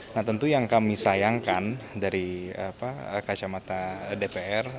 nah tentu yang kami sayangkan dari kacamata dpr